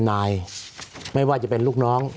สวัสดีครับทุกคน